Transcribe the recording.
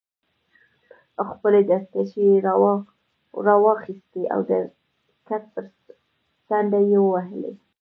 خپلې دستکشې يې راواخیستې او د کټ پر څنډه ېې ووهلې.